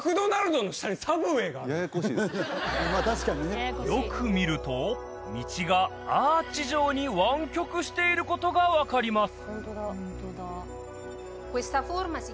路地よく見ると道がアーチ状に湾曲していることが分かります